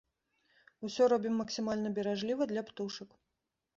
Усё робім максімальна беражліва для птушак.